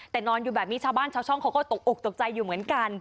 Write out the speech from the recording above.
แต่นอนอยู่แบบนี้ชาวบ้านชาวช่องเขาก็ตกอกตกใจอยู่เหมือนกัน